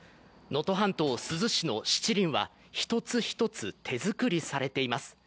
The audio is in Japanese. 能登半島、珠洲市のしちりんは一つ一つ手作りされています。